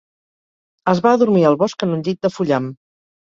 Es va adormir al bosc en un llit de fullam.